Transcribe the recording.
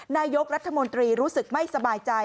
นายกรัฐมนตรีรู้สึกไม่สบายใจ